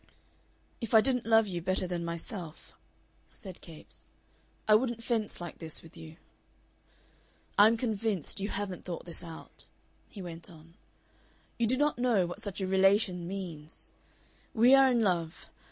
"If I didn't love you better than myself," said Capes, "I wouldn't fence like this with you. "I am convinced you haven't thought this out," he went on. "You do not know what such a relation means. We are in love.